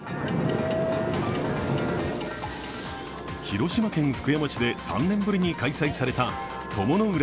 広島県福山市で３年ぶりに開催された鞆の浦